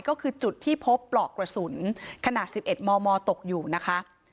ก็คือจุดที่พบปลอกกระสุนขนาด๑๑มมตกอยู่นะคะ